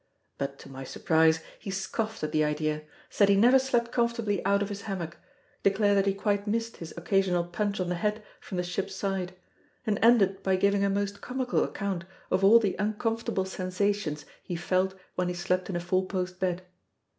But, to my surprise, he scoffed at the idea; said he never slept comfortably out of his hammock; declared that he quite missed his occasional punch on the head from the ship's side; and ended by giving a most comical account of all the uncomfortable sensations he felt when he slept in a four post bed.